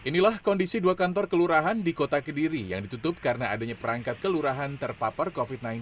pelayanan dan administrasi kantor kelurahan dibuka kembali tanggal empat januari dua ribu dua puluh satu